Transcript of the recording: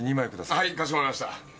はいかしこまりました。